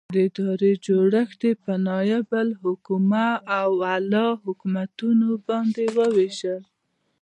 ادارې جوړښت یې په نائب الحکومه او اعلي حکومتونو باندې وویشه.